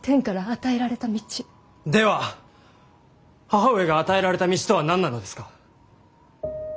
母上が与えられた道とは何なのですか。